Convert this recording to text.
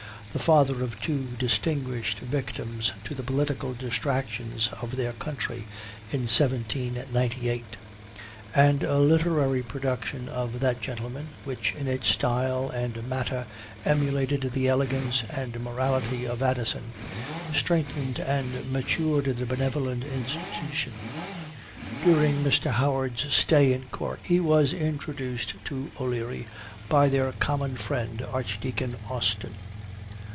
the father of two distinguished victims to the political distractions of their country in 1798: and a literary production of that gentleman, which in its style and matter emulated the elegance and morality of Addison, strengthened and matured the benevolent institution. During Mr. Howard's stay in Cork, he was introduced to O'Leary by their common friend, Archdeacon Austen.